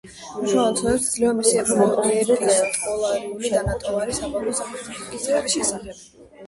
მნიშვნელოვან ცნობებს იძლევა მისი ეპისტოლარული დანატოვარი საბანკო საკითხების შესახებ.